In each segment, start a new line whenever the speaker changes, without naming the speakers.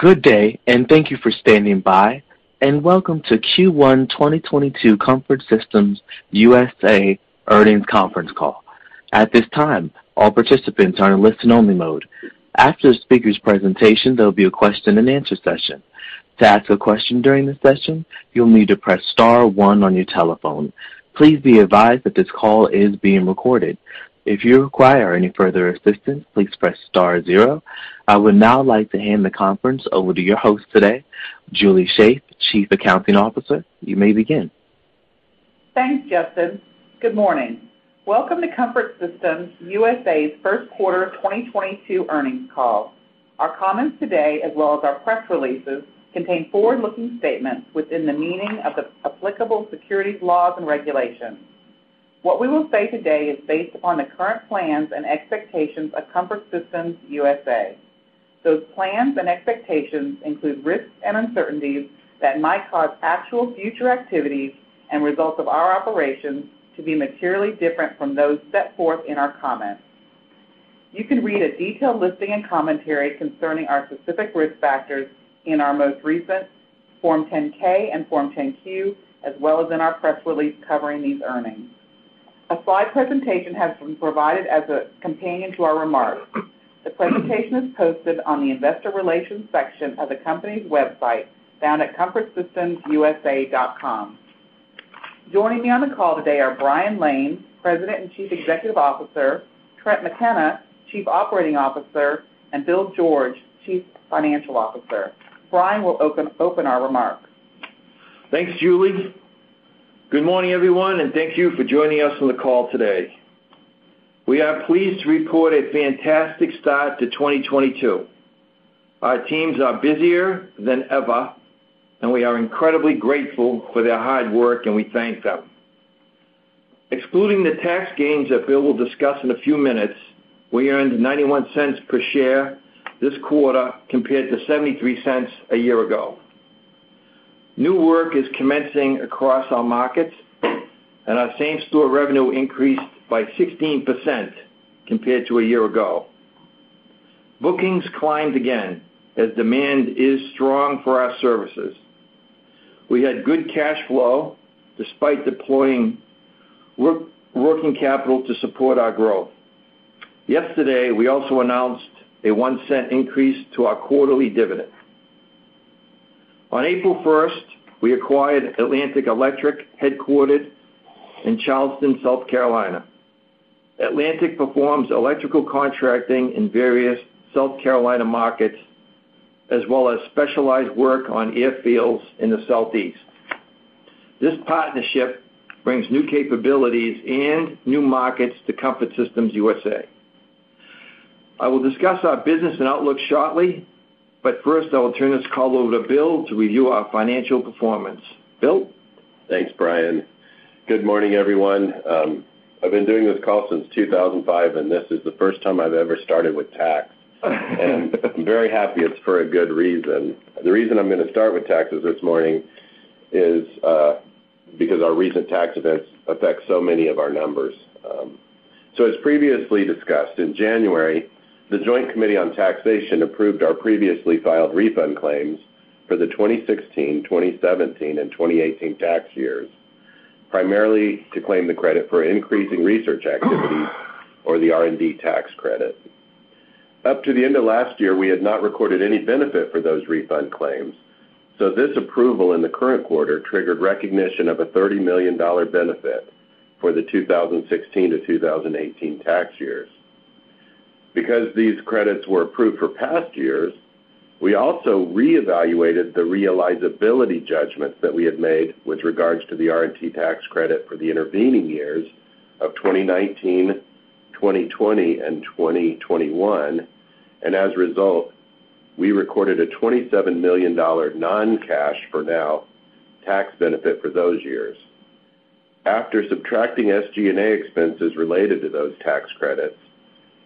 Good day, thank you for standing by, and welcome to Q1 2022 Comfort Systems USA Earnings Conference Call. At this time, all participants are in listen only mode. After the speaker's presentation, there'll be a question-and-answer session. To ask a question during the session, you'll need to press star one on your telephone. Please be advised that this call is being recorded. If you require any further assistance, please press star zero. I would now like to hand the conference over to your host today, Julie Shaeff, Chief Accounting Officer. You may begin.
Thanks, Justin. Good morning. Welcome to Comfort Systems USA's first quarter 2022 earnings call. Our comments today, as well as our press releases, contain forward-looking statements within the meaning of the applicable securities laws and regulations. What we will say today is based upon the current plans and expectations of Comfort Systems USA. Those plans and expectations include risks and uncertainties that might cause actual future activities and results of our operations to be materially different from those set forth in our comments. You can read a detailed listing and commentary concerning our specific risk factors in our most recent Form 10-K and Form 10-Q, as well as in our press release covering these earnings. A slide presentation has been provided as a companion to our remarks. The presentation is posted on the investor relations section of the company's website, found at comfortsystemsusa.com. Joining me on the call today are Brian Lane, President and Chief Executive Officer, Trent McKenna, Chief Operating Officer, and Bill George, Chief Financial Officer. Brian will open our remarks.
Thanks, Julie. Good morning, everyone, and thank you for joining us on the call today. We are pleased to report a fantastic start to 2022. Our teams are busier than ever, and we are incredibly grateful for their hard work, and we thank them. Excluding the tax gains that Bill will discuss in a few minutes, we earned $0.91 per share this quarter compared to $0.73 a year ago. New work is commencing across our markets, and our same-store revenue increased by 16% compared to a year ago. Bookings climbed again as demand is strong for our services. We had good cash flow despite deploying working capital to support our growth. Yesterday, we also announced a $0.01 increase to our quarterly dividend. On April 1st, we acquired Atlantic Electric, headquartered in Charleston, South Carolina. Atlantic Electric performs electrical contracting in various South Carolina markets as well as specialized work on airfields in the Southeast. This partnership brings new capabilities and new markets to Comfort Systems USA. I will discuss our business and outlook shortly, but first, I will turn this call over to Bill to review our financial performance. Bill?
Thanks, Brian. Good morning, everyone. I've been doing this call since 2005, and this is the first time I've ever started with tax. I'm very happy it's for a good reason. The reason I'm gonna start with taxes this morning is because our recent tax events affect so many of our numbers. As previously discussed, in January, the Joint Committee on Taxation approved our previously filed refund claims for the 2016, 2017, and 2018 tax years, primarily to claim the credit for increasing research activities or the R&D tax credit. Up to the end of last year, we had not recorded any benefit for those refund claims, so this approval in the current quarter triggered recognition of a $30 million benefit for the 2016 to 2018 tax years. Because these credits were approved for past years, we also reevaluated the realizability judgments that we had made with regards to the R&D tax credit for the intervening years of 2019, 2020, and 2021, and as a result, we recorded a $27 million non-cash, for now, tax benefit for those years. After subtracting SG&A expenses related to those tax credits,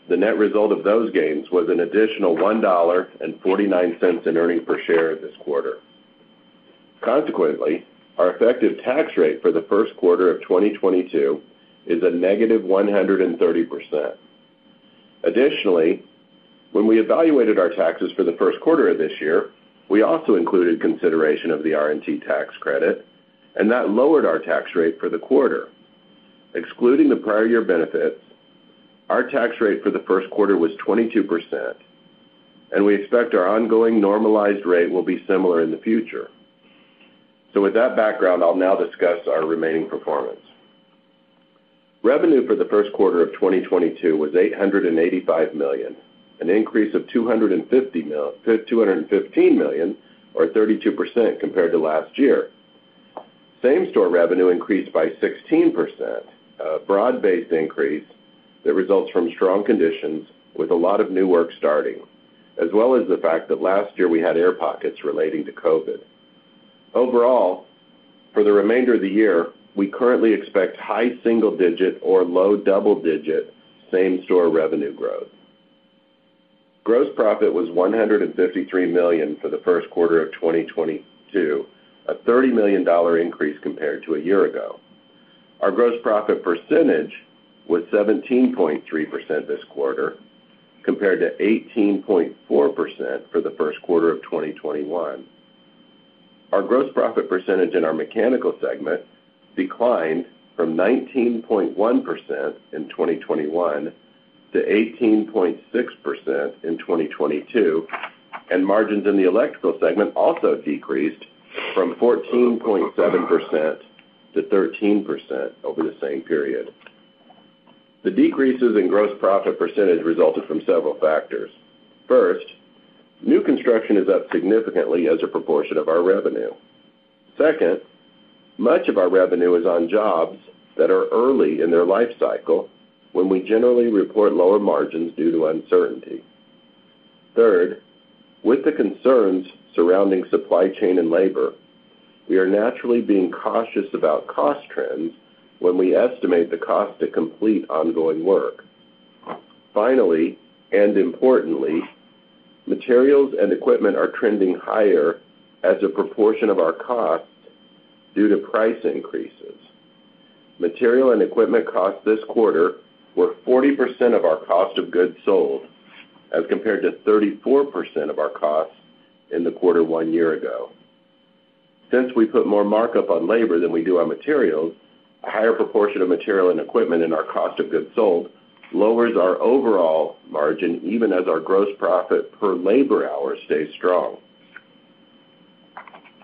the net result of those gains was an additional $1.49 in earnings per share this quarter. Consequently, our effective tax rate for the first quarter of 2022 is a -130%. Additionally, when we evaluated our taxes for the first quarter of this year, we also included consideration of the R&D tax credit, and that lowered our tax rate for the quarter. Excluding the prior year benefits, our tax rate for the first quarter was 22%, and we expect our ongoing normalized rate will be similar in the future. With that background, I'll now discuss our remaining performance. Revenue for the first quarter of 2022 was $885 million, an increase of $215 million, or 32% compared to last year. Same-store revenue increased by 16%, a broad-based increase that results from strong conditions with a lot of new work starting, as well as the fact that last year we had air pockets relating to COVID. Overall, for the remainder of the year, we currently expect high single-digit or low double-digit same-store revenue growth. Gross profit was $153 million for the first quarter of 2022, a $30 million increase compared to a year ago. Our gross profit percentage was 17.3% this quarter, compared to 18.4% for the first quarter of 2021. Our gross profit percentage in our mechanical segment declined from 19.1% in 2021 to 18.6% in 2022, and margins in the electrical segment also decreased from 14.7%-13% over the same period. The decreases in gross profit percentage resulted from several factors. First, new construction is up significantly as a proportion of our revenue. Second, much of our revenue is on jobs that are early in their life cycle when we generally report lower margins due to uncertainty. Third, with the concerns surrounding supply chain and labor, we are naturally being cautious about cost trends when we estimate the cost to complete ongoing work. Finally, and importantly, materials and equipment are trending higher as a proportion of our costs due to price increases. Material and equipment costs this quarter were 40% of our cost of goods sold, as compared to 34% of our costs in the quarter one year ago. Since we put more markup on labor than we do on materials, a higher proportion of material and equipment in our cost of goods sold lowers our overall margin, even as our gross profit per labor hour stays strong.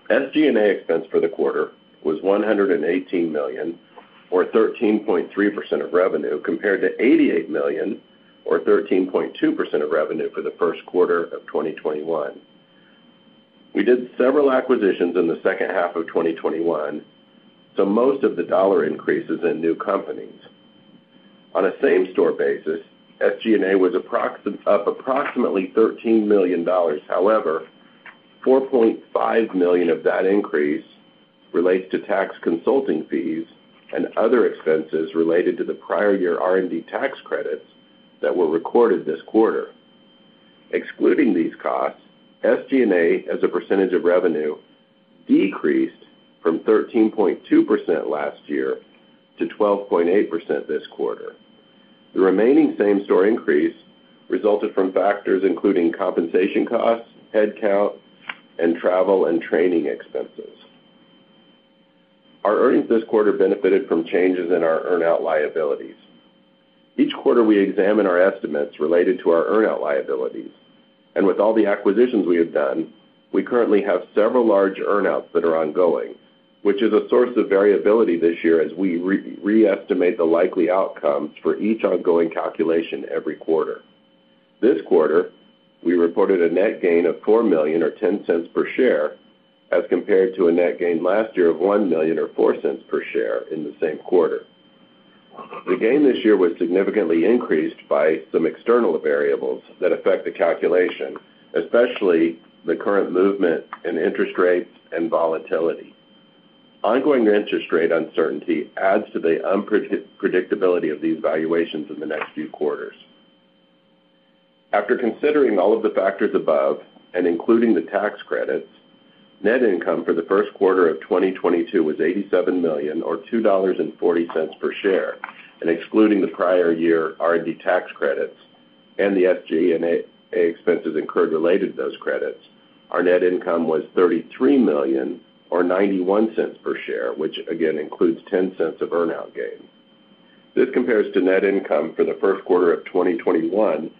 SG&A expense for the quarter was $118 million or 13.3% of revenue, compared to $88 million or 13.2% of revenue for the first quarter of 2021. We did several acquisitions in the second half of 2021, so most of the dollar increase is in new companies. On a same store basis, SG&A was up approximately $13 million. However, $4.5 million of that increase relates to tax consulting fees and other expenses related to the prior year R&D tax credits that were recorded this quarter. Excluding these costs, SG&A, as a percentage of revenue, decreased from 13.2% last year to 12.8% this quarter. The remaining same store increase resulted from factors including compensation costs, headcount, and travel and training expenses. Our earnings this quarter benefited from changes in our earn-out liabilities. Each quarter, we examine our estimates related to our earn-out liabilities, and with all the acquisitions we have done, we currently have several large earn-outs that are ongoing, which is a source of variability this year as we reestimate the likely outcomes for each ongoing calculation every quarter. This quarter, we reported a net gain of $4 million or $0.10 per share as compared to a net gain last year of $1 million or $0.04 Per share in the same quarter. The gain this year was significantly increased by some external variables that affect the calculation, especially the current movement in interest rates and volatility. Ongoing interest rate uncertainty adds to the unpredictability of these valuations in the next few quarters. After considering all of the factors above and including the tax credits, net income for the first quarter of 2022 was $87 million or $2.40 per share. Excluding the prior year R&D tax credits and the SG&A expenses incurred related to those credits, our net income was $33 million or $0.91 per share, which again includes $0.10 of earn-out gain. This compares to net income for the first quarter of 2021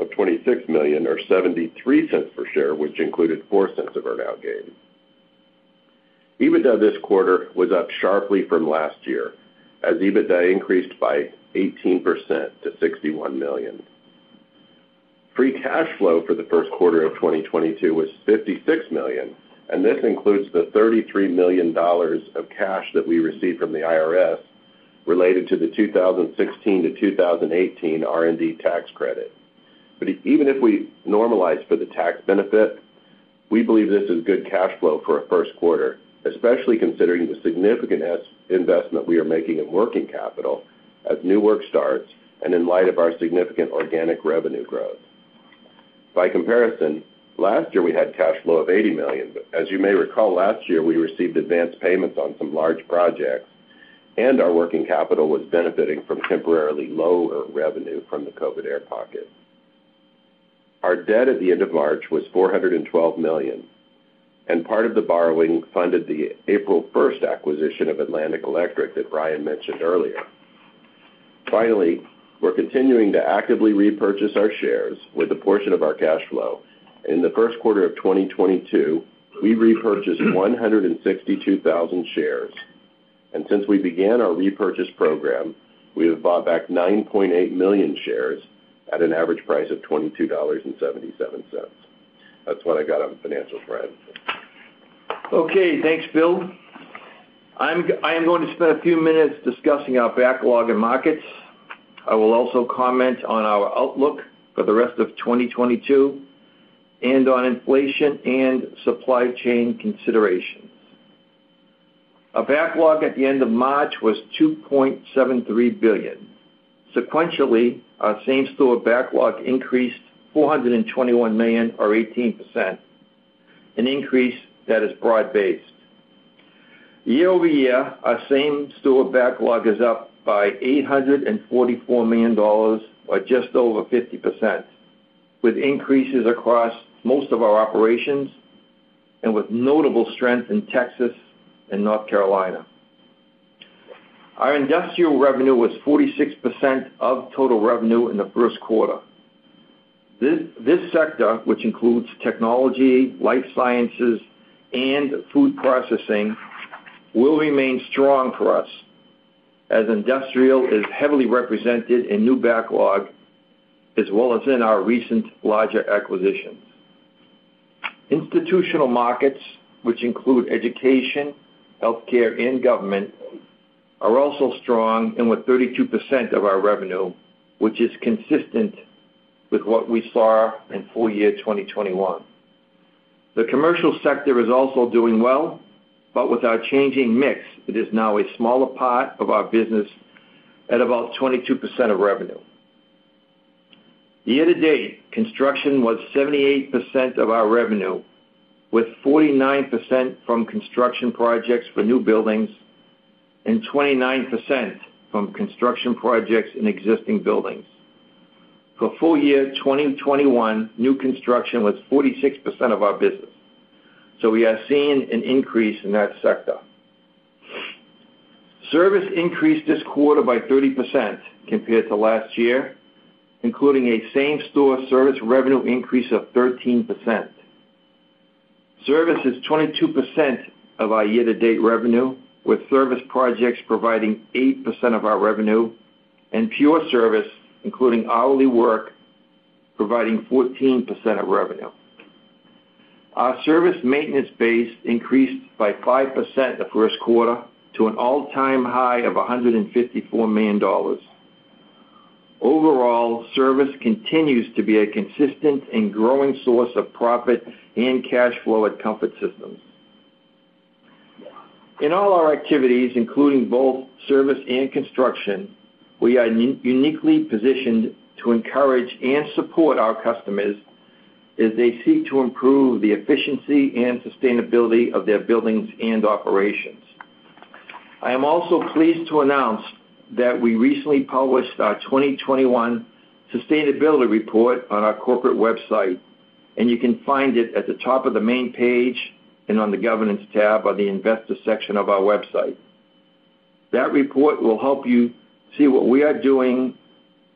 of $26 million or $0.73 per share, which included $0.04 of earn-out gain. EBITDA this quarter was up sharply from last year as EBITDA increased by 18% to $61 million. Free cash flow for the first quarter of 2022 was $56 million, and this includes the $33 million of cash that we received from the IRS related to the 2016 to 2018 R&D tax credit. Even if we normalize for the tax benefit, we believe this is good cash flow for a first quarter, especially considering the significant investment we are making in working capital as new work starts and in light of our significant organic revenue growth. By comparison, last year we had cash flow of $80 million. As you may recall, last year we received advanced payments on some large projects and our working capital was benefiting from temporarily lower revenue from the COVID air pocket. Our debt at the end of March was $412 million, and part of the borrowing funded the April 1st acquisition of Atlantic Electric that Brian Lane mentioned earlier. Finally, we're continuing to actively repurchase our shares with a portion of our cash flow. In the first quarter of 2022, we repurchased 162,000 shares. Since we began our repurchase program, we have bought back 9.8 million shares at an average price of $22.77. That's what I got on financial front.
Okay, thanks, Bill. I am going to spend a few minutes discussing our backlog and markets. I will also comment on our outlook for the rest of 2022 and on inflation and supply chain considerations. Our backlog at the end of March was $2.73 billion. Sequentially, our same-store backlog increased $421 million or 18%. An increase that is broad-based. Year-over-year, our same-store backlog is up by $844 million, or just over 50%, with increases across most of our operations and with notable strength in Texas and North Carolina. Our industrial revenue was 46% of total revenue in the first quarter. This sector, which includes technology, life sciences, and food processing, will remain strong for us, as industrial is heavily represented in new backlog as well as in our recent larger acquisitions. Institutional markets, which include education, healthcare, and government, are also strong and with 32% of our revenue, which is consistent with what we saw in full year 2021. The commercial sector is also doing well, but with our changing mix, it is now a smaller part of our business at about 22% of revenue. Year-to-date, construction was 78% of our revenue, with 49% from construction projects for new buildings and 29% from construction projects in existing buildings. For full year 2021, new construction was 46% of our business, so we are seeing an increase in that sector. Service increased this quarter by 30% compared to last year, including a same-store service revenue increase of 13%. Service is 22% of our year-to-date revenue, with service projects providing 8% of our revenue and pure service, including hourly work, providing 14% of revenue. Our service maintenance base increased by 5% the first quarter to an all-time high of $154 million. Overall, service continues to be a consistent and growing source of profit and cash flow at Comfort Systems. In all our activities, including both service and construction, we are uniquely positioned to encourage and support our customers as they seek to improve the efficiency and sustainability of their buildings and operations. I am also pleased to announce that we recently published our 2021 sustainability report on our corporate website, and you can find it at the top of the main page and on the Governance tab on the Investor section of our website. That report will help you see what we are doing,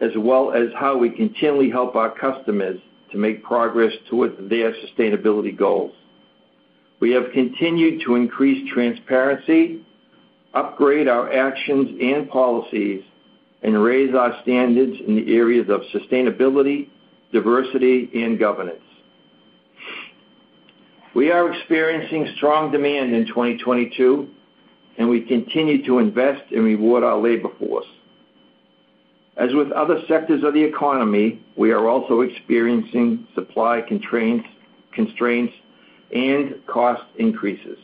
as well as how we continually help our customers to make progress towards their sustainability goals. We have continued to increase transparency, upgrade our actions and policies, and raise our standards in the areas of sustainability, diversity, and governance. We are experiencing strong demand in 2022, and we continue to invest and reward our labor force. As with other sectors of the economy, we are also experiencing supply constraints and cost increases,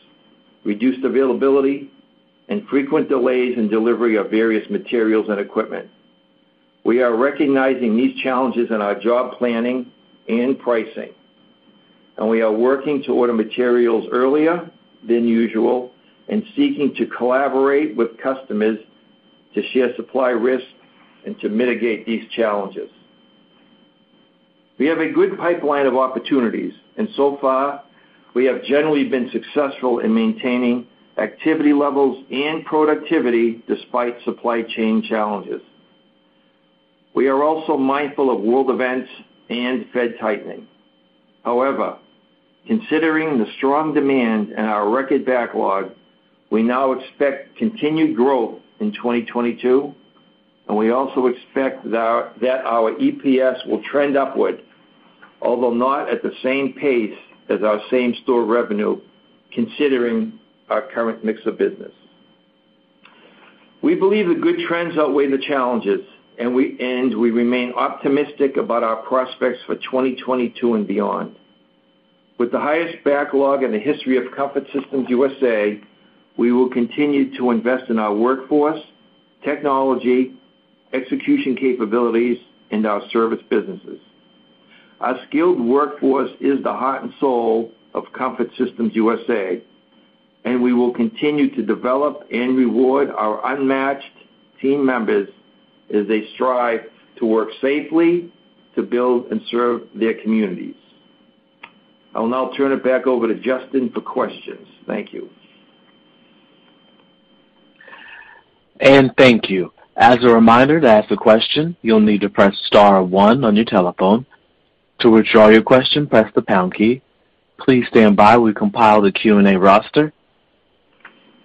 reduced availability, and frequent delays in delivery of various materials and equipment. We are recognizing these challenges in our job planning and pricing, and we are working to order materials earlier than usual and seeking to collaborate with customers to share supply risks and to mitigate these challenges. We have a good pipeline of opportunities and so far, we have generally been successful in maintaining activity levels and productivity despite supply chain challenges. We are also mindful of world events and Fed tightening. However, considering the strong demand and our record backlog, we now expect continued growth in 2022, and we also expect that our EPS will trend upward, although not at the same pace as our same-store revenue, considering our current mix of business. We believe the good trends outweigh the challenges, and we remain optimistic about our prospects for 2022 and beyond. With the highest backlog in the history of Comfort Systems USA, we will continue to invest in our workforce, technology, execution capabilities, and our service businesses. Our skilled workforce is the heart and soul of Comfort Systems USA, and we will continue to develop and reward our unmatched team members as they strive to work safely, to build and serve their communities. I will now turn it back over to Justin for questions. Thank you.
Thank you. As a reminder, to ask a question, you'll need to press star one on your telephone. To withdraw your question, press the pound key. Please stand by. We compile the Q&A roster.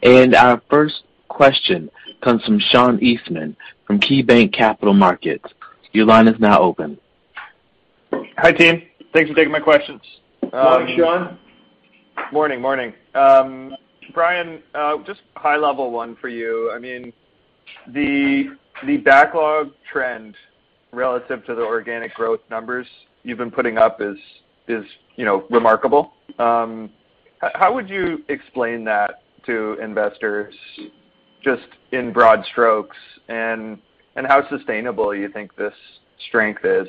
Our first question comes from Sean Eastman from KeyBanc Capital Markets. Your line is now open.
Hi, team. Thanks for taking my questions.
Morning, Sean.
Morning. Brian, just high-level one for you. I mean, the backlog trend relative to the organic growth numbers you've been putting up is, you know, remarkable. How would you explain that to investors just in broad strokes and how sustainable you think this strength is?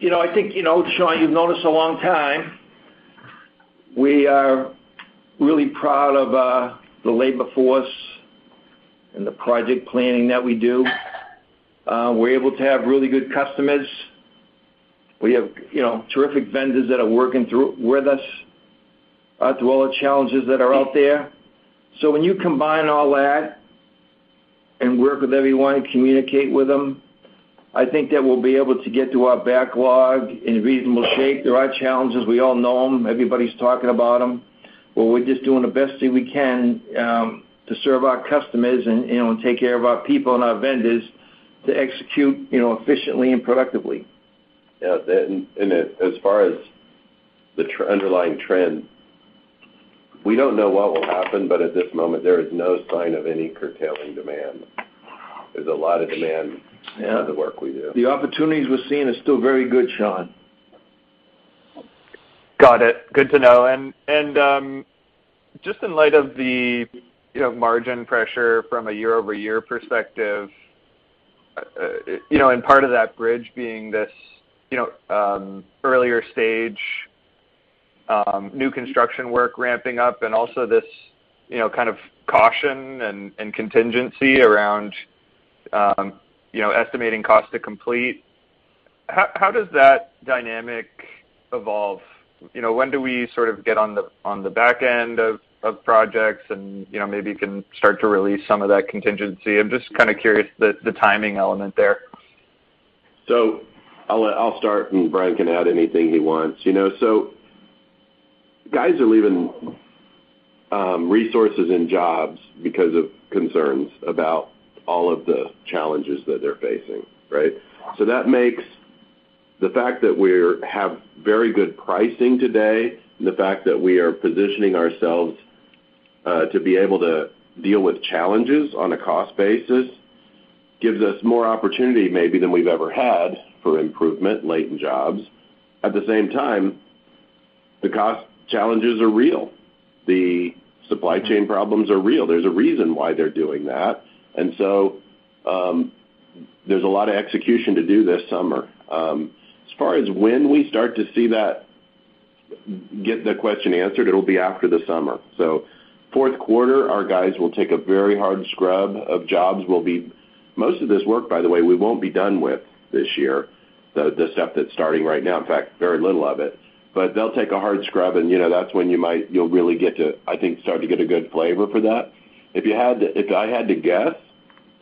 You know, I think, you know, Sean, you've known us a long time. We are really proud of the labor force and the project planning that we do. We're able to have really good customers. We have, you know, terrific vendors that are working with us through all the challenges that are out there. When you combine all that and work with everyone, communicate with them, I think that we'll be able to get through our backlog in reasonable shape. There are challenges, we all know them. Everybody's talking about them, but we're just doing the best thing we can to serve our customers and take care of our people and our vendors to execute, you know, efficiently and productively.
Yeah. As far as the underlying trend, we don't know what will happen, but at this moment, there is no sign of any curtailing demand. There's a lot of demand.
Yeah
for the work we do.
The opportunities we're seeing are still very good, Sean.
Got it. Good to know. Just in light of the, you know, margin pressure from a year-over-year perspective, you know, and part of that bridge being this, you know, earlier stage, new construction work ramping up and also this, you know, kind of caution and contingency around, you know, estimating cost to complete, how does that dynamic evolve? You know, when do we sort of get on the back end of projects and, you know, maybe can start to release some of that contingency? I'm just kind of curious the timing element there.
I'll start, and Brian can add anything he wants. You know, guys are leaving resources and jobs because of concerns about all of the challenges that they're facing, right? That makes the fact that we have very good pricing today and the fact that we are positioning ourselves to be able to deal with challenges on a cost basis gives us more opportunity maybe than we've ever had for improvement, latent jobs. At the same time, the cost challenges are real. The supply chain problems are real. There's a reason why they're doing that. There's a lot of execution to do this summer. As far as when we start to see that get the question answered, it'll be after the summer. Fourth quarter, our guys will take a very hard scrub of jobs. Most of this work, by the way, we won't be done with this year, the stuff that's starting right now. In fact, very little of it. They'll take a hard scrub and, you know, that's when you'll really get to, I think, start to get a good flavor for that. If I had to guess,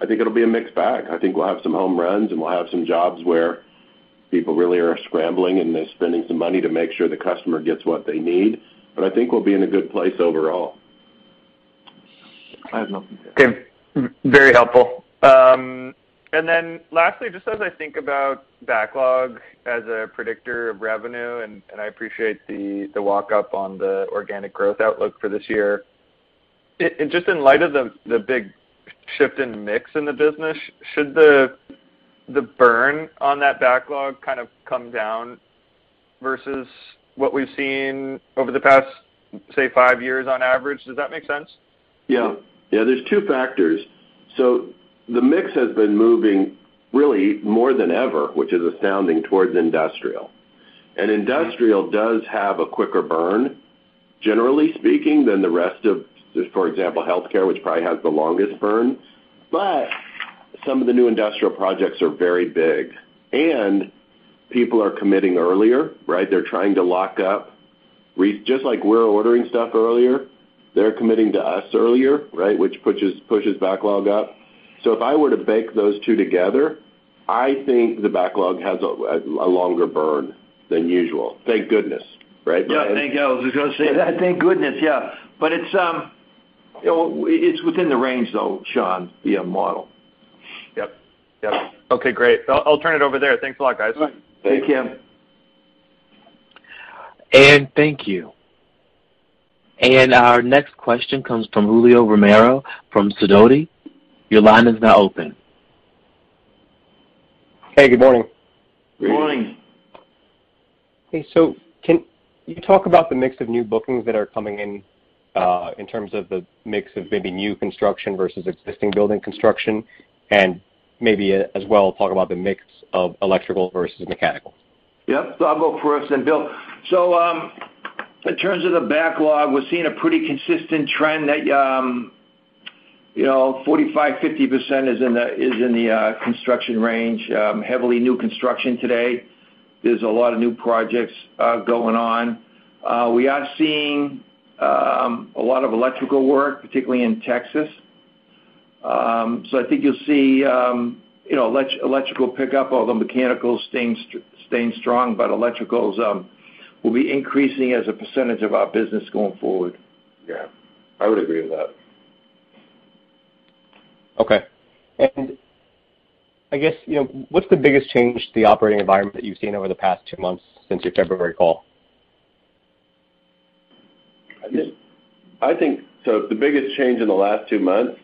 I think it'll be a mixed bag. I think we'll have some home runs, and we'll have some jobs where people really are scrambling, and they're spending some money to make sure the customer gets what they need. I think we'll be in a good place overall.
I have nothing to add.
Okay. Very helpful. Lastly, just as I think about backlog as a predictor of revenue, and I appreciate the walk-up on the organic growth outlook for this year. Just in light of the big shift in mix in the business, should the burn on that backlog kind of come down versus what we've seen over the past, say, five years on average? Does that make sense?
Yeah. Yeah, there's two factors. The mix has been moving really more than ever, which is astounding towards industrial. Industrial does have a quicker burn, generally speaking, than the rest of, for example, healthcare, which probably has the longest burn. Some of the new industrial projects are very big, and people are committing earlier, right? They're trying to lock up just like we're ordering stuff earlier, they're committing to us earlier, right? Which pushes backlog up. If I were to bake those two together, I think the backlog has a longer burn than usual. Thank goodness, right, Brian?
Yeah. Thank God. I was just gonna say that. Thank goodness, yeah. It's, you know, it's within the range though, Sean, via model.
Yep. Yep. Okay, great. I'll turn it over there. Thanks a lot, guys.
Thank you.
Thank you.
Thank you. Our next question comes from Julio Romero from Sidoti. Your line is now open.
Hey, good morning.
Good morning.
Okay. Can you talk about the mix of new bookings that are coming in terms of the mix of maybe new construction versus existing building construction? Maybe as well, talk about the mix of electrical versus mechanical.
Yep. I'll go first then Bill. In terms of the backlog, we're seeing a pretty consistent trend that you know 45%-50% is in the construction range, heavily new construction today. There's a lot of new projects going on. We are seeing a lot of electrical work, particularly in Texas. I think you'll see you know electrical pick up, although mechanical's staying strong, but electricals will be increasing as a percentage of our business going forward.
Yeah. I would agree with that.
Okay. I guess, you know, what's the biggest change to the operating environment that you've seen over the past two months since your February call?
The biggest change in the last two months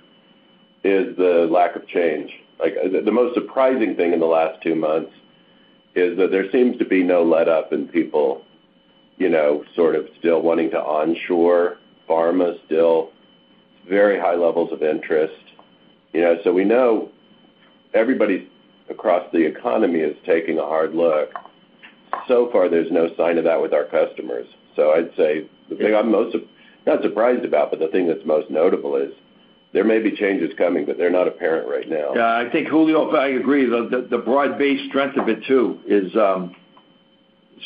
is the lack of change. Like, the most surprising thing in the last two months is that there seems to be no letup in people, you know, sort of still wanting to onshore pharma still, very high levels of interest. You know, so we know everybody across the economy is taking a hard look. So far, there's no sign of that with our customers. I'd say the thing I'm most, not surprised about, but the thing that's most notable is there may be changes coming, but they're not apparent right now.
Yeah, I think, Julio, I agree. The broad-based strength of it, too, is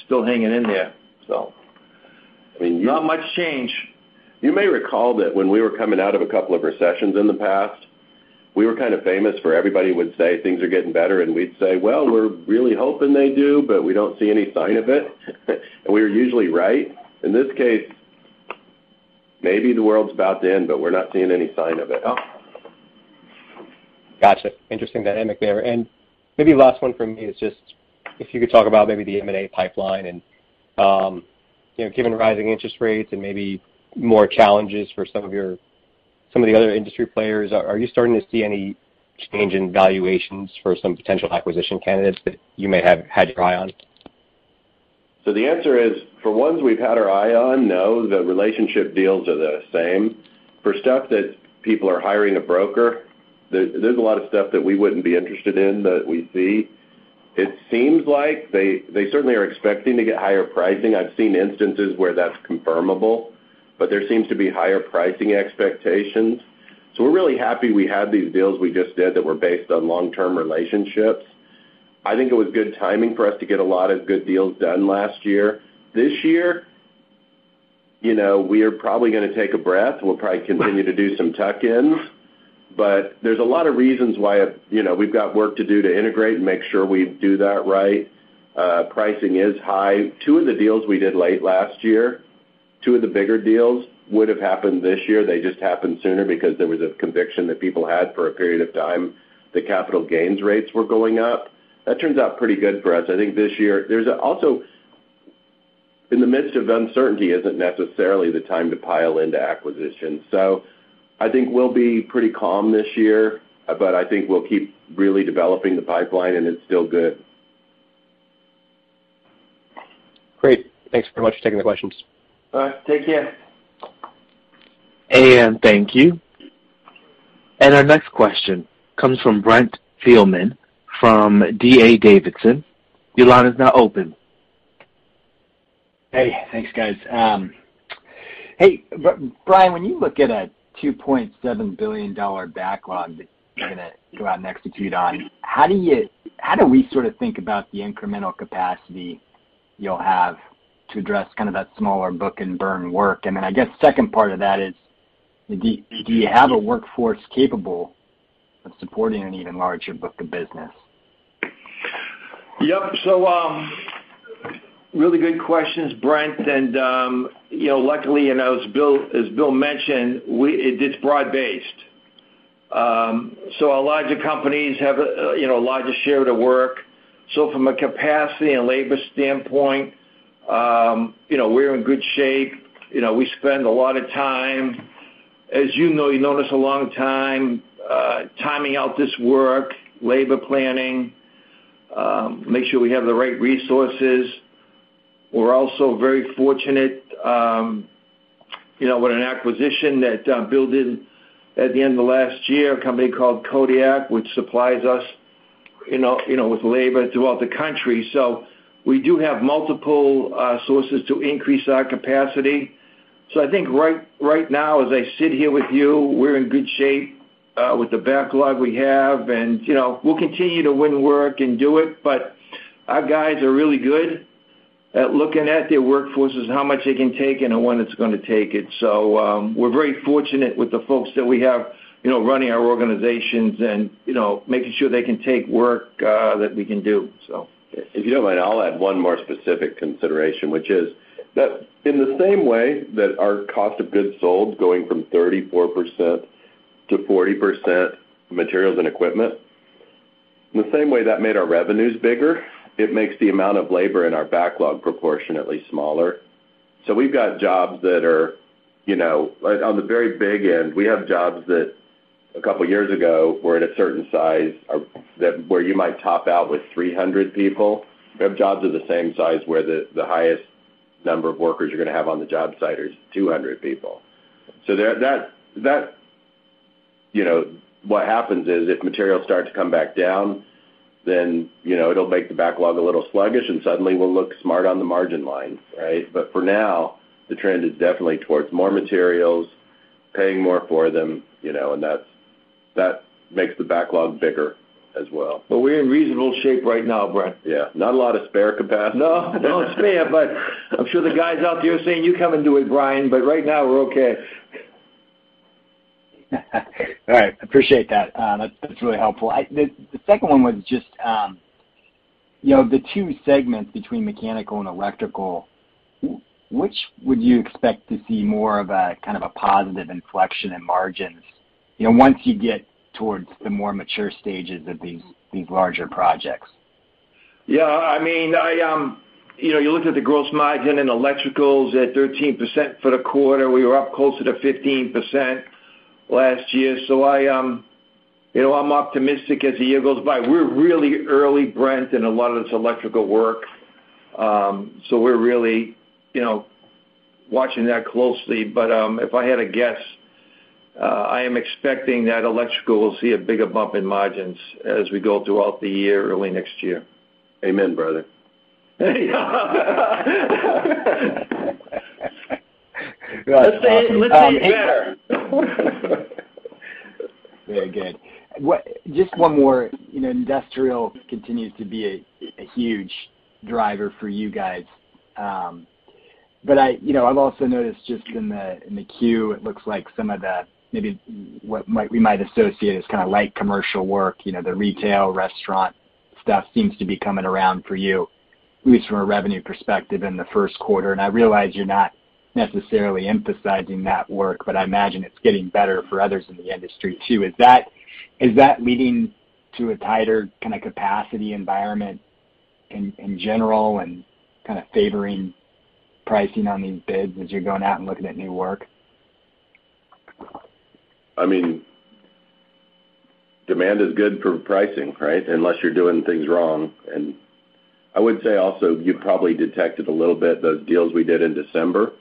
still hanging in there.
I mean.
Not much change.
You may recall that when we were coming out of a couple of recessions in the past, we were kind of famous for everybody would say, "Things are getting better." We'd say, "Well, we're really hoping they do, but we don't see any sign of it." We were usually right. In this case, maybe the world's about to end, but we're not seeing any sign of it.
Gotcha. Interesting dynamic there. Maybe last one from me is just if you could talk about maybe the M&A pipeline and, you know, given the rising interest rates and maybe more challenges for some of the other industry players, are you starting to see any change in valuations for some potential acquisition candidates that you may have had your eye on?
The answer is, for ones we've had our eye on, no. The relationship deals are the same. For stuff that people are hiring a broker, there's a lot of stuff that we wouldn't be interested in that we see. It seems like they certainly are expecting to get higher pricing. I've seen instances where that's confirmable, but there seems to be higher pricing expectations. We're really happy we had these deals we just did that were based on long-term relationships. I think it was good timing for us to get a lot of good deals done last year. This year, you know, we are probably gonna take a breath. We'll probably continue to do some tuck-ins, but there's a lot of reasons why, you know, we've got work to do to integrate and make sure we do that right. Pricing is high. Two of the deals we did late last year, two of the bigger deals would have happened this year. They just happened sooner because there was a conviction that people had for a period of time that capital gains rates were going up. That turns out pretty good for us. I think this year, there's also. In the midst of uncertainty isn't necessarily the time to pile into acquisitions. I think we'll be pretty calm this year, but I think we'll keep really developing the pipeline, and it's still good.
Great. Thanks very much for taking the questions.
All right. Take care.
Thank you. Our next question comes from Brent Thielman from D.A. Davidson. Your line is now open.
Hey. Thanks, guys. Hey, Brian, when you look at a $2.7 billion backlog that you're gonna go out and execute on, how do we sort of think about the incremental capacity you'll have to address kind of that smaller book and burn work? I guess second part of that is, do you have a workforce capable of supporting an even larger book of business?
Yep. Really good questions, Brent. You know, luckily, you know, as Bill mentioned, it's broad-based. Our larger companies have, you know, a larger share of the work. From a capacity and labor standpoint, you know, we're in good shape. You know, we spend a lot of time. As you know, you've known us a long time, timing out this work, labor planning, make sure we have the right resources. We're also very fortunate, you know, with an acquisition that, Bill did at the end of last year, a company called Kodiak, which supplies us, you know, with labor throughout the country. We do have multiple sources to increase our capacity. I think right now, as I sit here with you, we're in good shape with the backlog we have. You know, we'll continue to win work and do it. Our guys are really good at looking at their workforces, how much they can take and when it's gonna take it. We're very fortunate with the folks that we have, you know, running our organizations and, you know, making sure they can take work that we can do.
If you don't mind, I'll add one more specific consideration, which is that in the same way that our cost of goods sold going from 34%-40% materials and equipment, in the same way that made our revenues bigger, it makes the amount of labor in our backlog proportionately smaller. We've got jobs that are, you know, on the very big end. We have jobs that a couple of years ago were at a certain size or that where you might top out with 300 people. We have jobs of the same size where the highest number of workers you're gonna have on the job site is 200 people. you know, what happens is if materials start to come back down, then, you know, it'll make the backlog a little sluggish, and suddenly we'll look smart on the margin line, right? For now, the trend is definitely towards more materials, paying more for them, you know, and that makes the backlog bigger as well.
We're in reasonable shape right now, Brent.
Yeah. Not a lot of spare capacity.
No. No spare, but I'm sure the guys out there are saying, "You come and do it, Brian." Right now, we're okay.
All right. Appreciate that. That's really helpful. The second one was just, you know, the two segments between mechanical and electrical, which would you expect to see more of a kind of a positive inflection in margins, you know, once you get towards the more mature stages of these larger projects?
Yeah, I mean, you know, you look at the gross margin and electrical's at 13% for the quarter. We were up closer to 15% last year. You know, I'm optimistic as the year goes by. We're really early, Brent, in a lot of this electrical work. We're really, you know, watching that closely. If I had to guess, I am expecting that electrical will see a bigger bump in margins as we go throughout the year, early next year.
Amen, brother.
Let's say it's better. Very good. Just one more. You know, industrial continues to be a huge driver for you guys. But you know, I've also noticed just in the queue, it looks like some of the, maybe we might associate as kinda light commercial work, you know, the retail, restaurant stuff seems to be coming around for you, at least from a revenue perspective in the first quarter. I realize you're not necessarily emphasizing that work, but I imagine it's getting better for others in the industry, too. Is that leading to a tighter kinda capacity environment in general and kinda favoring pricing on these bids as you're going out and looking at new work?
I mean, demand is good for pricing, right? Unless you're doing things wrong. I would say also, you probably detected a little bit those deals we did in December.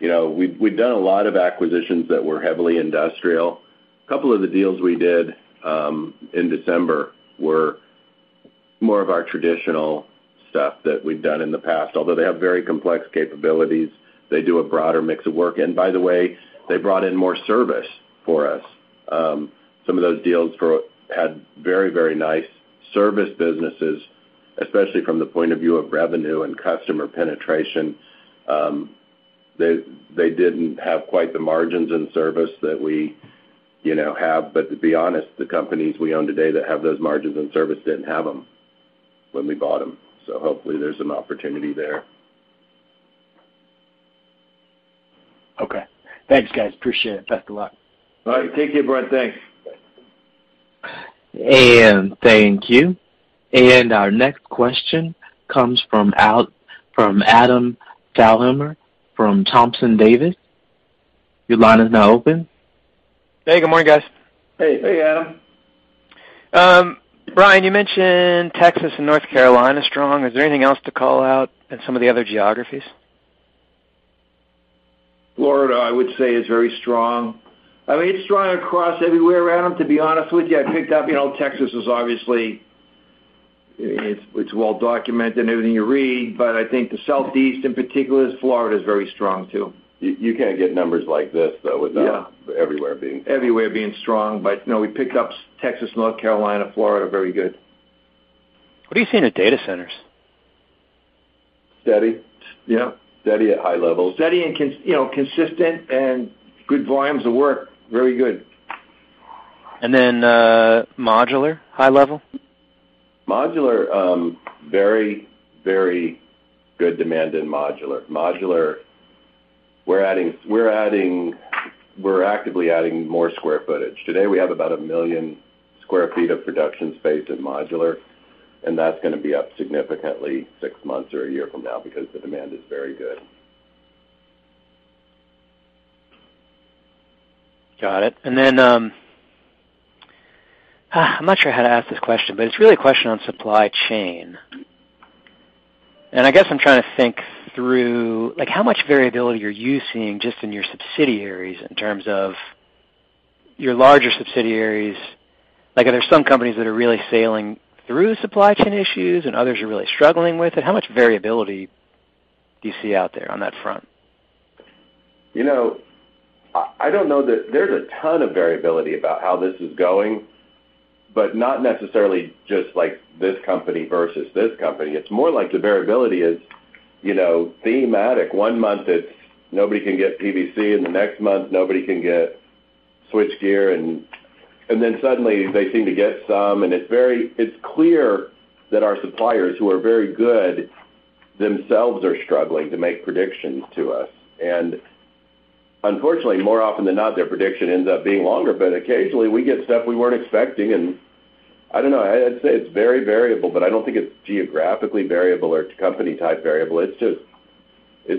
You know, we've done a lot of acquisitions that were heavily industrial. A couple of the deals we did in December were more of our traditional stuff that we've done in the past. Although they have very complex capabilities, they do a broader mix of work. And by the way, they brought in more service for us. Some of those deals had very, very nice service businesses, especially from the point of view of revenue and customer penetration. They didn't have quite the margins in service that we, you know, have. But to be honest, the companies we own today that have those margins in service didn't have them when we bought them. Hopefully there's some opportunity there.
Okay. Thanks, guys. Appreciate it. Best of luck.
All right. Take care, Brent. Thanks.
Thank you. Our next question comes from Adam Thalhimer from Thompson Davis. Your line is now open.
Hey, good morning, guys.
Hey.
Hey, Adam.
Brian, you mentioned Texas and North Carolina strong. Is there anything else to call out in some of the other geographies?
Florida, I would say, is very strong. I mean, it's strong across everywhere, Adam, to be honest with you. I picked up, you know, Texas is obviously, it's well documented in everything you read, but I think the Southeast in particular, Florida is very strong, too.
You can't get numbers like this, though.
Yeah
Everywhere being strong.
Everywhere being strong. No, we picked up Texas, North Carolina, Florida, very good.
What are you seeing at data centers?
Steady.
Yeah.
Steady at high levels.
Steady and you know, consistent and good volumes of work. Very good.
Modular, high level?
Modular, very good demand in modular. Modular, we're actively adding more square footage. Today, we have about 1 million sq ft of production space in modular, and that's gonna be up significantly six months or a year from now because the demand is very good.
Got it. I'm not sure how to ask this question, but it's really a question on supply chain. I guess I'm trying to think through, like how much variability are you seeing just in your subsidiaries in terms of your larger subsidiaries? Like, are there some companies that are really sailing through supply chain issues and others are really struggling with it? How much variability do you see out there on that front?
You know, I don't know that there's a ton of variability about how this is going, but not necessarily just like this company versus this company. It's more like the variability is, you know, thematic. One month, it's nobody can get PVC, and the next month, nobody can get switchgear. Then suddenly they seem to get some, and it's very. It's clear that our suppliers, who are very good, themselves are struggling to make predictions to us. Unfortunately, more often than not, their prediction ends up being longer. Occasionally, we get stuff we weren't expecting. I don't know. I'd say it's very variable, but I don't think it's geographically variable or company type variable. It's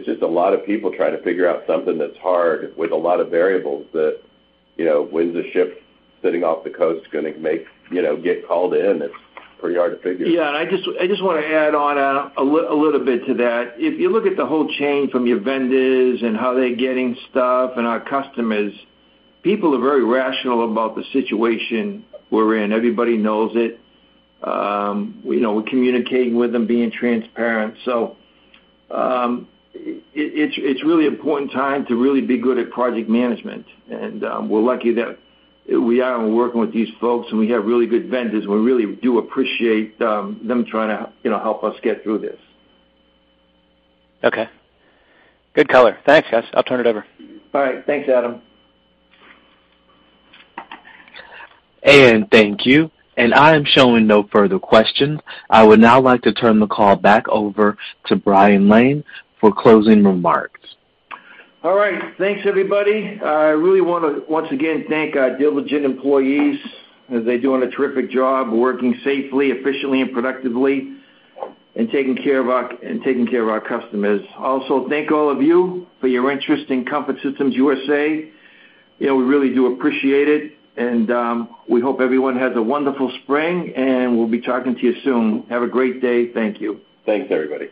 just a lot of people trying to figure out something that's hard with a lot of variables that, you know, when's the ship sitting off the coast gonna make, you know, get called in. It's pretty hard to figure.
Yeah. I just wanna add on a little bit to that. If you look at the whole chain from your vendors and how they're getting stuff and our customers, people are very rational about the situation we're in. Everybody knows it. You know, we're communicating with them, being transparent. It's really important time to really be good at project management. We're lucky that we are working with these folks, and we have really good vendors. We really do appreciate them trying to, you know, help us get through this.
Okay. Good color. Thanks, guys. I'll turn it over.
All right. Thanks, Adam.
Thank you. I am showing no further questions. I would now like to turn the call back over to Brian Lane for closing remarks.
All right. Thanks, everybody. I really wanna, once again, thank our diligent employees as they're doing a terrific job working safely, efficiently and productively and taking care of our customers. Also, thank all of you for your interest in Comfort Systems USA. You know, we really do appreciate it. We hope everyone has a wonderful spring, and we'll be talking to you soon. Have a great day. Thank you.
Thanks, everybody.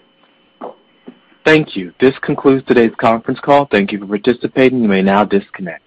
Thank you. This concludes today's conference call. Thank you for participating. You may now disconnect.